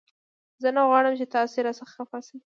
زه نه غواړم چې تاسې را څخه خفه شئ